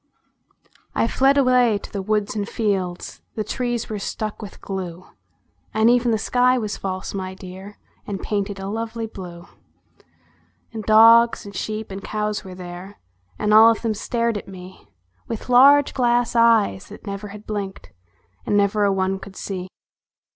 I fled away to the woods and fields ; The trees were stuck with glue ; And even the sky was false, my dear, And painted a lovely blue. And dogs and sheep and cows were there, And all of them stared at me "With large glass eyes that never had blinked, And never a one could see.